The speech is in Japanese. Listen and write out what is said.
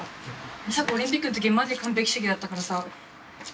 梨紗子オリンピックの時マジ完璧主義だったからさ。